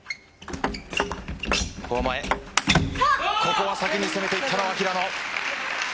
ここは先に攻めていったのは平野。